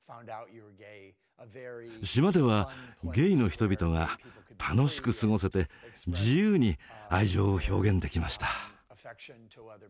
島ではゲイの人々が楽しく過ごせて自由に愛情を表現できました。